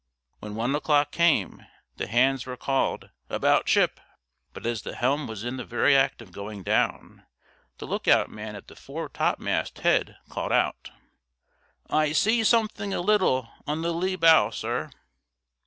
When one o'clock came, the hands were called "About ship!" But as the helm was in the very act of going down, the look out man at the fore topmast head called out "I see something a little on the lee bow, sir!"